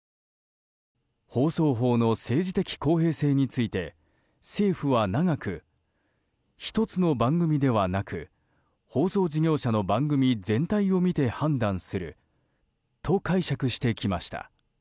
放送法の政治的公平性について政府は長く１つの番組ではなく放送事業者の番組全体を見て判断すると解釈してきました。